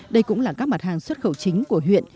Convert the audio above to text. đây cũng là các mặt hàng xuất khẩu chính của huyện